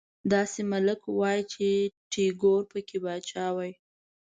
داسې ملک وای چې ټيګور پکې پاچا وای